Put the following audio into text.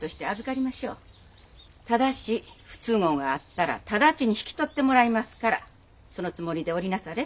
ただし不都合があったら直ちに引き取ってもらいますからそのつもりでおりなされ。